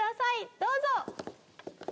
どうぞ！